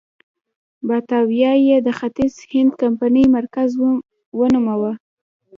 باتاویا یې د ختیځ هند کمپنۍ مرکز ونوماوه.